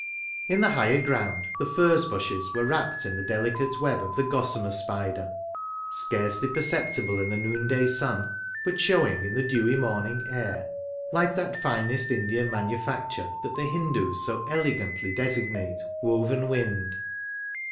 • In the higher ground, the furze bushes were wrapped in the delicate web of the gossamer spider, scarcely perceptible in the noonday sun, but showing in the dewy morning air, like that finest Indian manufacture that the Hindoos so elegantly designate woven wind."